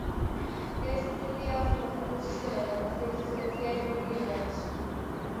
E este tendía á formación dun sistema de ecuacións diferenciais non lineares.